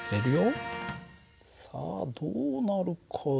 さあどうなるかな。